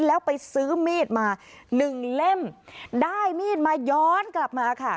แล้วไปซื้อมีดมาหนึ่งเล่มได้มีดมาย้อนกลับมาค่ะ